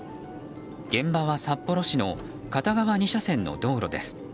現場は札幌市の片側２車線の道路です。